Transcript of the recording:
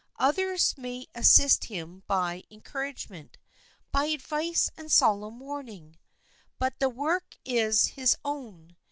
Others may assist him by encouragement, by advice and solemn warning; but the work is his own.